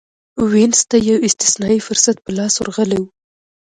وینز ته یو استثنايي فرصت په لاس ورغلی و.